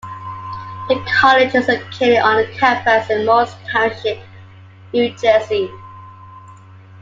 The college is located on an campus in Morris Township, New Jersey.